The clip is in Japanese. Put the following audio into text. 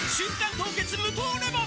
凍結無糖レモン」